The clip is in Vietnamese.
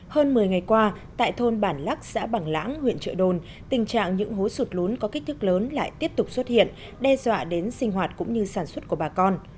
hơn một mươi ngày qua tại thôn bản lắc xã bằng lãng huyện trợ đồn tình trạng những hố sụt lún có kích thước lớn lại tiếp tục xuất hiện đe dọa đến sinh hoạt cũng như sản xuất của bà con